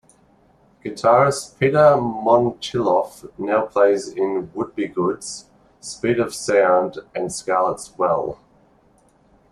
Guitarist Peter Momtchiloff now plays in Would-be-goods, Speed of Sound and Scarlet's Well.